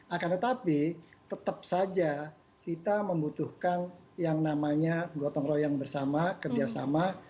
akan tetapi tetap saja kita membutuhkan yang namanya gotong royong bersama kerjasama